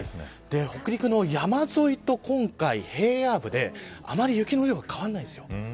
北陸の山沿いと今回、平野部であまり雪の量が変わらないんです。